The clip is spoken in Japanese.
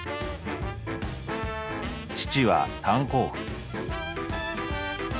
「父は炭鉱夫」。